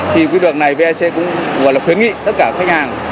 thì quy luật này vatc cũng gọi là khuyến nghị tất cả khách hàng